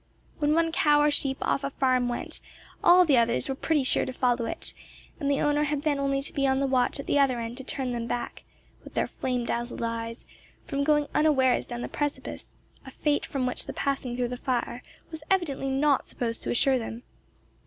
When one cow or sheep off a farm went, all the others were pretty sure to follow it, and the owner had then only to be on the watch at the other end to turn them back, with their flame dazzled eyes, from going unawares down the precipice, a fate from which the passing through the fire was evidently not supposed to ensure them.